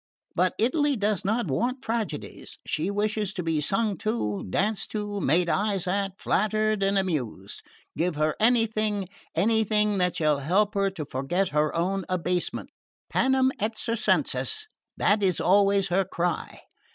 But Italy does not want tragedies she wishes to be sung to, danced to, made eyes at, flattered and amused! Give her anything, anything that shall help her to forget her own abasement. Panem et circenses! that is always her cry.